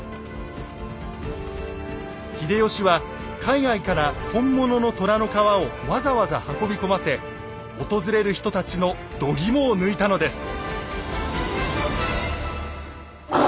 秀吉は海外から本物の虎の皮をわざわざ運び込ませ訪れる人たちのどぎもを抜いたのです。